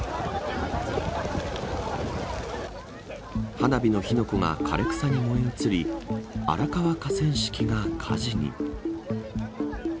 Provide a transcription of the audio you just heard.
花火の火の粉が枯れ草に燃え移り荒川河川敷が火事に。